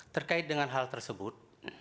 terkait dengan hal tersebut